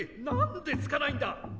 何でつかないんだ！？